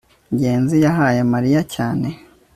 ngenzi yahaye mariya cyane